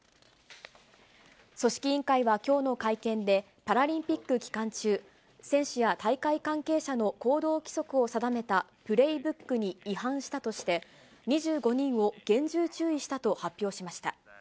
組織委員会はきょうの会見で、パラリンピック期間中、選手や大会関係者の行動規則を定めたプレイブックに違反したとして、２５人を厳重注意したと発表しました。